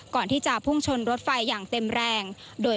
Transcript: ก่อนที่จะพุ่งชนรถไฟอย่างเต็มแรง